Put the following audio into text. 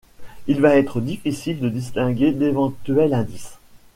Il va être difficile de distinguer d’éventuels indices.